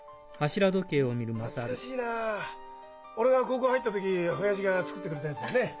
俺が高校入った時親父が作ってくれたやつだよね？